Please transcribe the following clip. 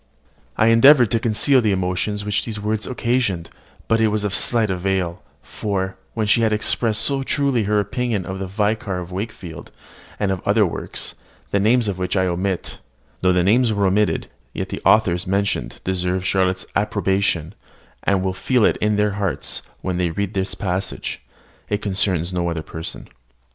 I endeavoured to conceal the emotion which these words occasioned, but it was of slight avail; for, when she had expressed so truly her opinion of "The Vicar of Wakefield," and of other works, the names of which I omit (Though the names are omitted, yet the authors mentioned deserve Charlotte's approbation, and will feel it in their hearts when they read this passage. It concerns no other person.)